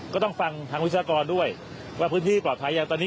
ก็ต้องฟังทางวิชากรด้วยว่าพื้นที่ปลอดภัยยังตอนนี้